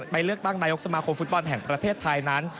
เลือกตั้งนายกสมาคมฟุตบอลแห่งประเทศไทยนั้น